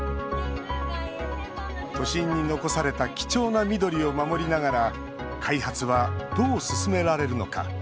都心に残された貴重な緑を守りながら開発はどう進められるのか。